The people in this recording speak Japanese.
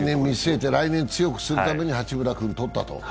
来年強くするために八村君をとったと。